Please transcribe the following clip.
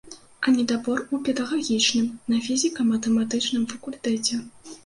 А недабор у педагагічным на фізіка-матэматычным факультэце.